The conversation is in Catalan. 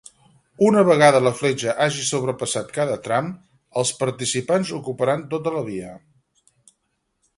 Una vegada la fletxa hagi sobrepassat cada tram, els participants ocuparan tota la via.